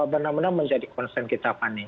benar benar menjadi konsen kita